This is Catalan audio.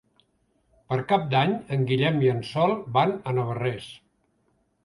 Per Cap d'Any en Guillem i en Sol van a Navarrés.